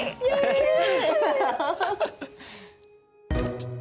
イエイ！